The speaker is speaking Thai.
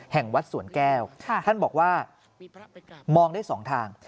แห่งวัดสวนแก้วท่านบอกว่ามองได้สองทาง